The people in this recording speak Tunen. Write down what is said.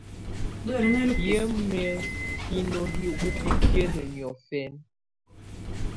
Hiǝ́mi hino hi ubibiǝ́nǝ niɔ̀fɛ̀na.